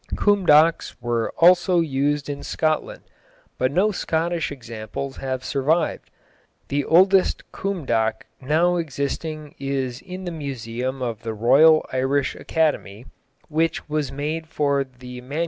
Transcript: Cumhdachs were also used in Scotland, but no Scottish examples have survived. The oldest cumhdach now existing is one in the Museum of the Royal Irish Academy, which was made for the MS.